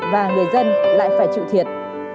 và người dân lại phải chịu thiệt